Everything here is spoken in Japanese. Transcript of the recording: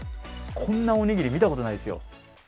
こんなおにぎり、見たことないですよ。